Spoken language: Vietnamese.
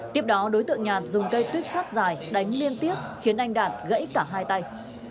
tiếp đó đối tượng nhàn dùng cây tuyếp sắt dài đánh liên tiếp khiến anh đạt gãy cả hai tay